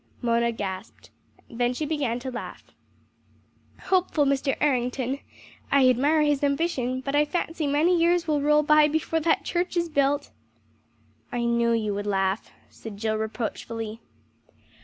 Mona gasped, then she began to laugh. "Hopeful Mr. Errington! I admire his ambition, but I fancy many years will roll by before that church is built!" "I knew you would laugh," said Jill reproachfully.